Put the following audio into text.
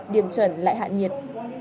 điểm chuẩn lại hạn nhiệt